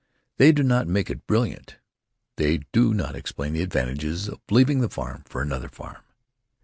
They do not make it brilliant. They do not explain the advantages of leaving the farm for another farm.